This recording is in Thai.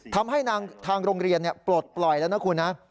ทำให้ทางโรงเรียนปลดปล่อยแล้วนะคุณนะ